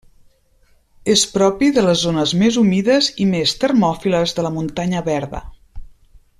És propi de les zones més humides i més termòfiles de la muntanya verda.